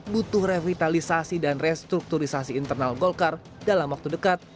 butuh revitalisasi dan restrukturisasi internal golkar dalam waktu dekat